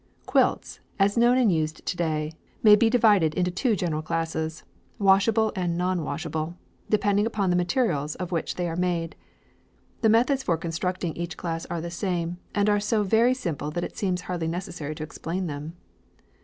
Quilts, as known and used to day, may be divided into two general classes, washable and non washable, depending upon the materials of which they are made. The methods for constructing each class are the same, and are so very simple that it seems hardly necessary to explain them.